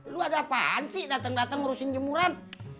lu ada apaan sih dateng dateng urusin jemuran